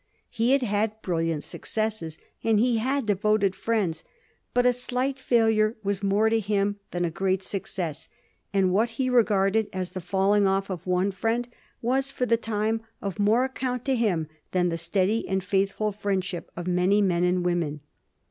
He had had brilliant successes, and he had devoted friends, but a slight failure was more to him than a great success, and what he regarded as the falling off of one friend was for the time of more account to him than the steady and faithful friendship of many men and women.